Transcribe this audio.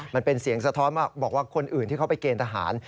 มันเป็นเสียงสะท้อนมาบอกว่าคนอื่นที่เขาไปเกณฑ์ทหาร